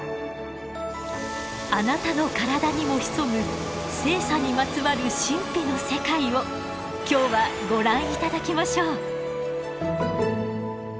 あなたの体にも潜む性差にまつわる神秘の世界を今日はご覧いただきましょう。